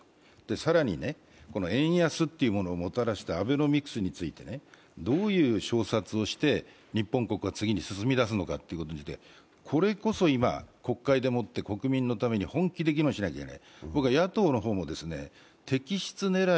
更に、円安というものをもたらしたアベノミクスについて、どういう推察をして日本国が次に進んでいくのか、これこそ今、国会でもって国民のために本気で議論しなければならない。